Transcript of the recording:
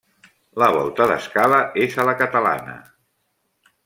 La volta d'escala és a la catalana.